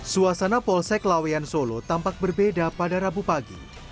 suasana polsek lawean solo tampak berbeda pada rabu pagi